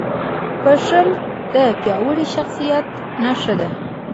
• بښل د پیاوړي شخصیت نښه ده.